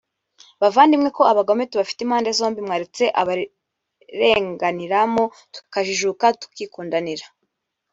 Bavandimwe ko abagome tubafite impande zombi mwaretse ababirenganira mo tukajijuka tukikundanira